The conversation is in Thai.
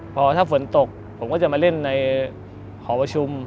พอถ้าฝนตกผมก็จะมาเล่นในหอประชุม